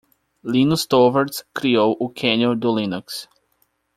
Linus Torvalds criou o kernel do Linux.